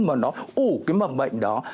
mà nó ủ cái mầm bệnh đó